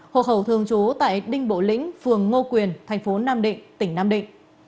hộ khẩu thường trú tại đinh bộ lĩnh phường ngô quyền thành phố nam định tỉnh nam định